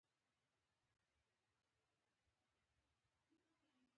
ایا پریکړه مو وکړه؟